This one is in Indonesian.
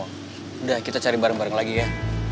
sudah kita cari bareng bareng lagi ya